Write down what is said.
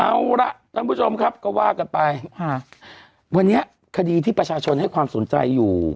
เอาละท่านผู้ชมครับก็ว่ากันไปค่ะวันนี้คดีที่ประชาชนให้ความสนใจอยู่